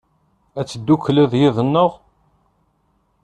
Ad teddukleḍ yid-neɣ?